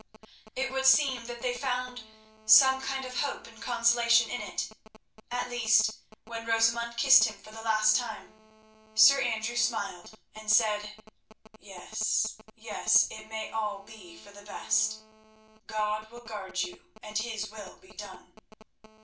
It would seem that they found some kind of hope and consolation in it—at least when Rosamund kissed him for the last time, Sir Andrew smiled and said: "Yes, yes; it may all be for the best. God will guard you, and His will be done.